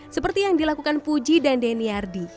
seperti yang dilakukan puji dan deniardi